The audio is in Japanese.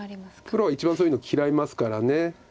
プロは一番そういうの嫌いますから。